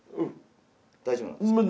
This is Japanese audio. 大丈夫なんですか？